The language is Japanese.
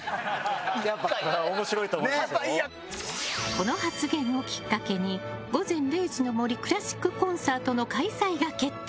この発言をきっかけに「午前０時の森」クラシックコンサートの開催が決定。